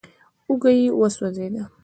اوږه يې وسوځېده.